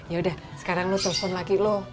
yaudah sekarang lo telpon lagi lo